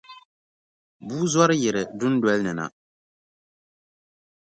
Bua zɔri yiri dundolini na.